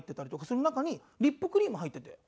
その中にリップクリーム入ってて。